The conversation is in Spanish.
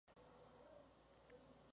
Juana deviene duquesa de Brabante.